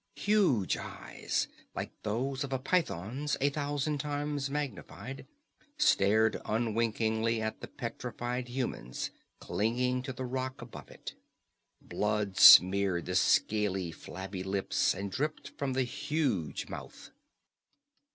Huge eyes, like those of a python a thousand times magnified, stared unwinkingly at the petrified humans clinging to the rock above it. Blood smeared the scaly, flabby lips and dripped from the huge mouth.